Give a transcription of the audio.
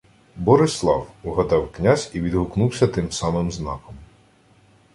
— Борислав! — угадав князь і відгукнувся тим самим знаком.